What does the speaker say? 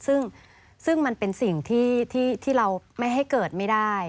ซึ่งมันเป็นสิ่งที่เราไม่ให้เกิดไม่ได้